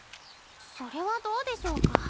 それはどうでしょうか。